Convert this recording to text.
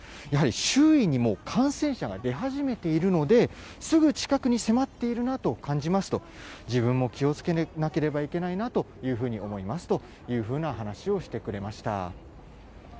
やはり周囲にも感染者が出始めているので、すぐ近くに迫っているなと感じますと、自分も気をつけなければいけないなというふうに思いますというような話をしてくれました。